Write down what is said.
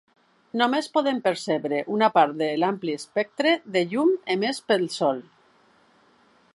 Només podem percebre una part de l'ampli espectre de llum emès pel sol.